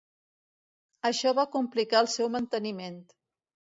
Això va complicar el seu manteniment.